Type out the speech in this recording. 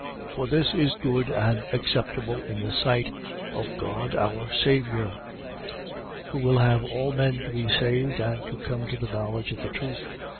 2:3. For this is good and acceptable in the sight of God our Saviour, 2:4. Who will have all men to be saved and to come to the knowledge of the truth.